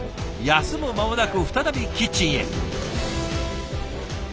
休む間もなく再びキッチンへ。